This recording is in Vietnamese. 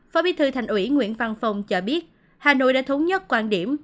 phó bí thư thành ủy nguyễn văn phong cho biết hà nội đã thống nhất quan điểm